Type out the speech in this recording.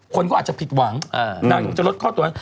คนก็อาจจะผิดหวังนางอยากจะลดค่าตัวนั้น